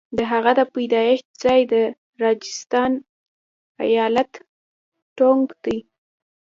د هغه د پیدایښت ځای د راجستان ایالت ټونک دی.